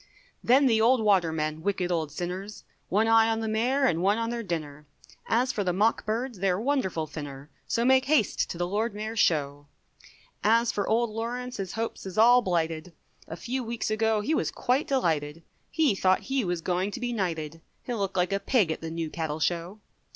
Then the old watermen, wicked old sinners, One eye on the Mayor and one on their dinner, As for the mock birds, they're wonderful thinner, So make haste to the Lord Mayor's Show. As for Old Lawrence his hopes is all blighted. A few weeks ago he was quite delighted, He thought he was going to be knighted, He'll look like a pig at the New Cattle Show.